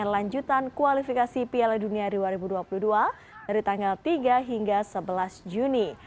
lanjutan kualifikasi piala dunia dua ribu dua puluh dua dari tanggal tiga hingga sebelas juni